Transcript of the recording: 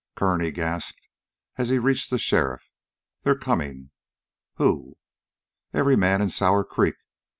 "Kern," he gasped, as he reached the sheriff, "they're coming." "Who?" "Every man in Sour Creek.